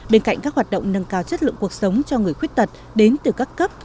bên cạnh các hoạt động nâng cao chất lượng cuộc sống cho người khuyết tật đến từ các cấp